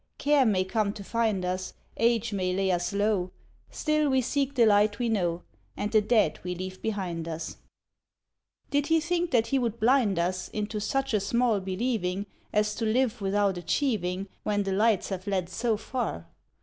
Care may come to find us. Age may lay us low; Still, we seek the light we know. And the dead we leave behind us. ei2i "Did he think that ho would blind us Into such a small believing As to live without achieving. When the lights have led so far?